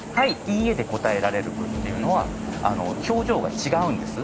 「いいえ」で答えられる文っていうのは表情が違うんです。